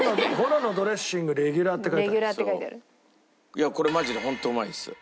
いやこれマジで本当うまいんですよ。